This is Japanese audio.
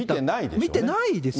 見てないでしょ？